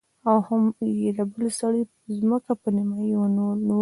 او هم يې د بل سړي ځمکه په نيمايي نيولې وه.